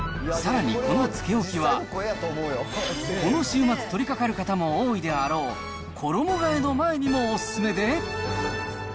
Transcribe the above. さらにこのつけ置きは、この週末取りかかる方も多いであろう、衣がえの前にもお勧めで。